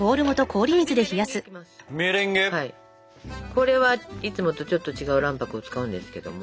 これはいつもとちょっと違う卵白を使うんですけども。